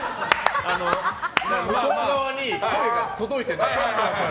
向こう側に声が届いてない。